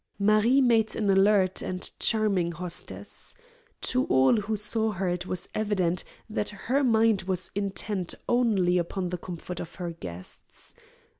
Marie made an alert and charming hostess. To all who saw her it was evident that her mind was intent only upon the comfort of her guests.